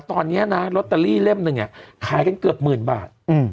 ตอนนี้นะลอตเตอรี่เล่มหนึ่งขายกันเกือบหมื่นบาท